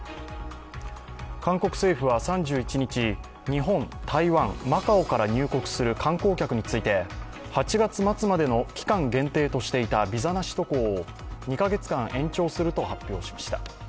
韓国政府は３１日、日本、台湾、マカオから入国する観光客について、８月末までの期間限定としていたビザなし渡航を２カ月間延長すると発表しました。